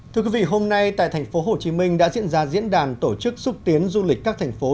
thưa quý vị hôm nay tại thành phố hồ chí minh đã diễn ra diễn đàn tổ chức xúc tiến du lịch các thành phố